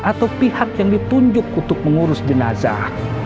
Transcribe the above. atau pihak yang ditunjuk untuk mengurus jenazah